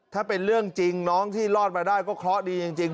ถ้าเป็นเรื่องจริงน้องที่รอดมาได้ก็เคราะห์ดีจริง